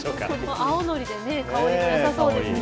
青のりでね、香りがよさそうですね。